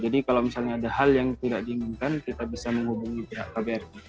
jadi kalau misalnya ada hal yang tidak diinginkan kita bisa menghubungi kbr